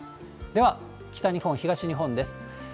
では、北日本、東日本です。